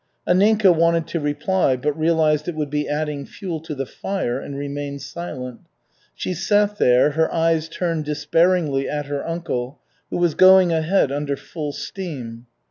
Anninka wanted to reply, but realized it would be adding fuel to the fire, and remained silent. She sat there, her eyes turned despairingly at her uncle, who was going ahead under full steam.